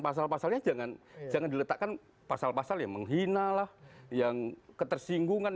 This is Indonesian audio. pasal pasalnya jangan jangan diletakkan pasal pasalnya menghina lah yang ketersinggungan